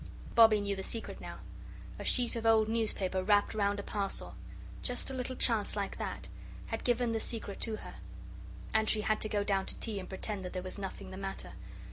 Bobbie knew the secret now. A sheet of old newspaper wrapped round a parcel just a little chance like that had given the secret to her. And she had to go down to tea and pretend that there was nothing the matter.